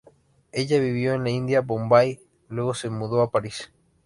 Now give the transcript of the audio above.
Ella vivió en India, Bombay, luego se mudó a París.